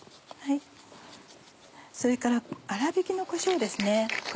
それから粗びきのこしょうですね。